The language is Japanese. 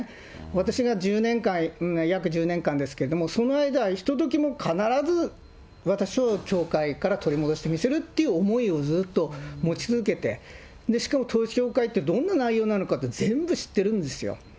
私が１０年間、約１０年間ですけれども、その間、ひとときも、必ず私を教会から取り戻してみせるっていう思いをずっと、持ち続けて、しかも統一教会ってどんな内容なのかって全部知ってるんですよ。